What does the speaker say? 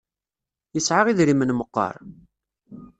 Yesɛa idrimen meqqar?